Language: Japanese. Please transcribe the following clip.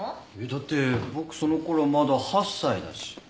だって僕その頃まだ８歳だし。